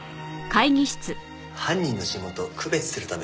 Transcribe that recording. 犯人の指紋と区別するためです。